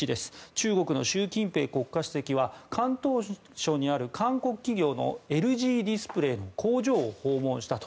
中国の習近平国家主席は広東省にある韓国企業のＬＧディスプレーの工場を訪問したと。